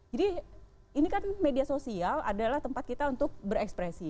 jadi ini kan media sosial adalah tempat kita untuk berekspresi